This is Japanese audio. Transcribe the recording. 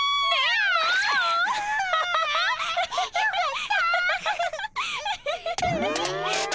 あよかった。